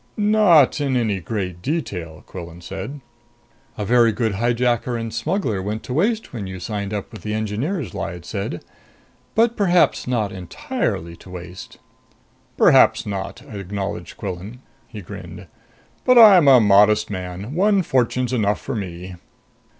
"Not in any great detail," Quillan said. "A very good hijacker and smuggler went to waste when you signed up with the Engineers," Lyad said. "But perhaps not entirely to waste." "Perhaps not," acknowledged Quillan. He grinned. "But I'm a modest man. One fortune's enough for me."